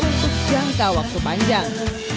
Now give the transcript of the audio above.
untuk jangka waktu panjang